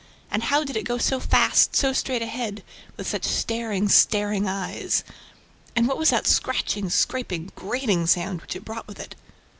And how did it go so fast, so straight ahead, with such staring, staring eyes? And what was that scratching, scraping, grating sound which it brought with it?